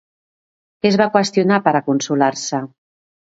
Què es va qüestionar per a consolar-se?